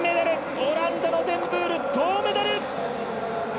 オランダのデンブール銅メダル！